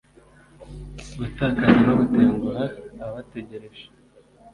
gutakaza no gutenguha ababategereje